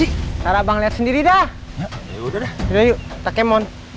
ibu soalnya nggak makan dua hari ibu harus makan yuk kita makan yuk